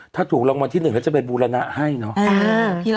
ถ้าถูกรองมันที่หนึ่งแล้วจะไปบูรณะให้เนอะอ่า